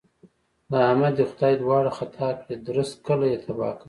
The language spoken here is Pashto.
د احمد دې خدای دواړې خطا کړي؛ درست کلی يې تباه کړ.